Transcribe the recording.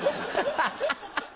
ハハハハ！